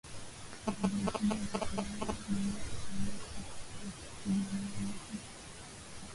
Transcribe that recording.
kubadilishana mazoea bora Kusanyiko hilo hutegemea makubaliano ya